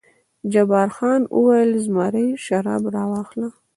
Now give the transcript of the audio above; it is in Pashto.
جبار خان وویل: زمري شراب راواخله.